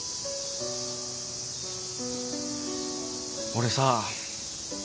俺さ